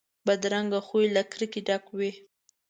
بدرنګه خوی له کرکې ډک وي